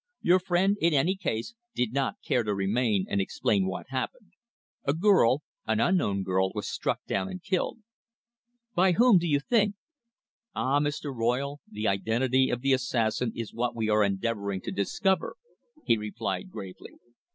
"Your friend, in any case, did not care to remain and explain what happened. A girl an unknown girl was struck down and killed." "By whom, do you think?" "Ah! Mr. Royle, the identity of the assassin is what we are endeavouring to discover," he replied gravely.